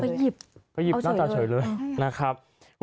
ไปหยิบเอาเฉยเลยไปหยิบหน้าตาเฉยเลยนะครับ